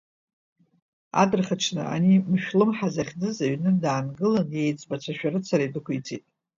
Адырхаҽны ани Мышәлымҳа захьӡыз аҩны даангылан, иеиҵбацәа шәарыцара идәықәиҵеит.